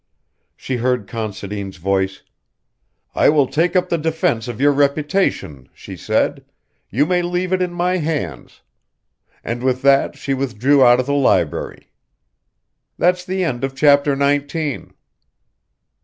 She heard Considine's voice: _'I will take up the defence of your reputation,' she said. 'You may leave it in my hands.' And with that she withdrew out of the library._ "That's the end of chapter nineteen."